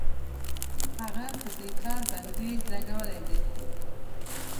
هغه په دې کار بندیز لګولی دی.